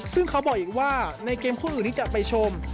ซึ่งเขาบอกอีกว่าในเกมคู่อื่นที่จะไปชม